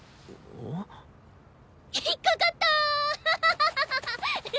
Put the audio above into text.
引っ掛かった！